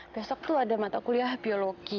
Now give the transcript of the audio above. besok tuh ada mata kuliah biologi